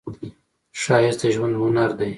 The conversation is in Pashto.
ښایست د ژوند هنر دی